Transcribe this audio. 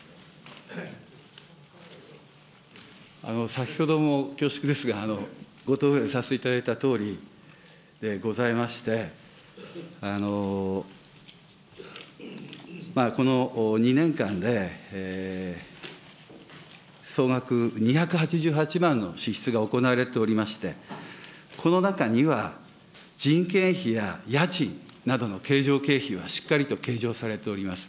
先ほども恐縮ですが、ご答弁させていただいたとおりでございまして、この２年間で総額２８８万の支出が行われておりまして、この中には、人件費や家賃などの経常経費はしっかりと計上されております。